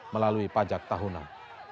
melalui pajak tahunan